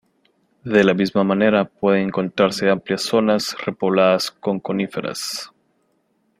De la misma manera pueden encontrarse amplias zonas repobladas con coníferas.